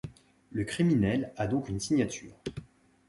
Le criminel a donc une signature.